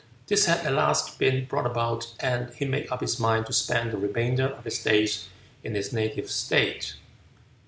This had at last been brought about, and he made up his mind to spend the remainder of his days in his native state.